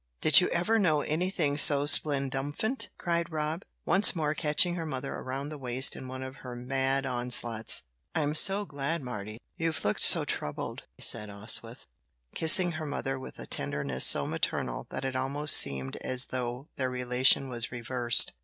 "Did you ever know anything so splendumphant?" cried Rob, once more catching her mother around the waist in one of her mad onslaughts. "I'm so glad, Mardy! You've looked so troubled," said Oswyth, kissing her mother with a tenderness so maternal that it almost seemed as though their relation was reversed.